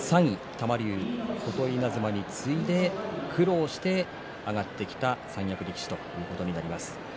玉龍、琴稲妻に次いで苦労して上がってきた三役力士ということになります。